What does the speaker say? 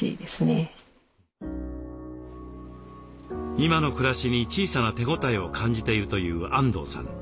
今の暮らしに小さな手応えを感じているというあんどうさん。